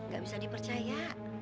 gak bisa dipercaya